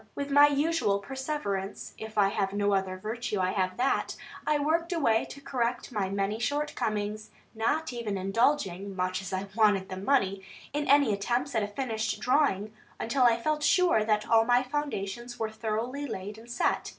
With my usual perseverance if I have no other virtue, I have that I worked away to correct my many shortcomings; not even indulging (much as I wanted the money) in any attempts at a finished drawing, until I felt sure that all my foundations were thoroughly laid and set.